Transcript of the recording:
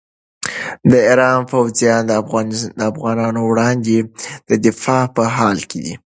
د ایران پوځیان د افغانانو وړاندې د دفاع په حال کې دي.